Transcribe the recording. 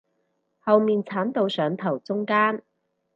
後面剷到上頭中間